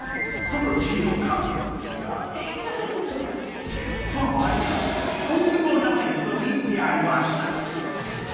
この字を書くのですがこの間とんでもない人に出会いました。